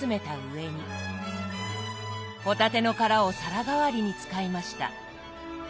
帆立ての殻を皿代わりに使いました。